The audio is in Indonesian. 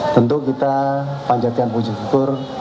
tentu kita panjatian puji pukur